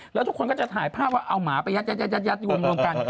แล้วทุกคนก็จะถ่ายภาพว่าเอาหมาไปยัดรวมกัน